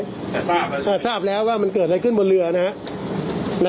แต่ทราบแล้วทราบแล้วว่ามันเกิดอะไรขึ้นบนเรือนะฮะ